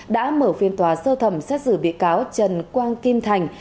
đã mở phiên tòa sơ thẩm xét xử bị cáo trần quang kim thành